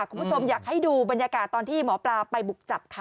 คุณผู้ชมอยากให้ดูบรรยากาศตอนที่หมอปลาไปบุกจับค่ะ